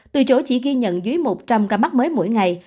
từ chỗ chỉ ghi nhận dưới một trăm linh ca mắc mới mỗi ngày